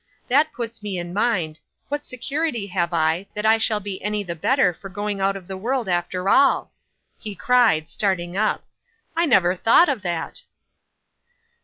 That puts me in mind what security have I, that I shall be any the better for going out of the world after all!" he cried, starting up; "I never thought of that."